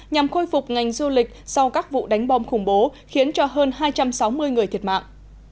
nhằm khôi phục ngành du lịch sau các vụ đánh bom khủng bố khiến cho hơn hai trăm sáu mươi người thiệt mạng